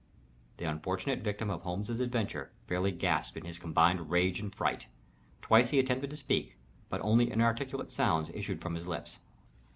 The unfortunate victim of Holmes's adventure fairly gasped in his combined rage and fright. Twice he attempted to speak, but only inarticulate sounds issued from his lips.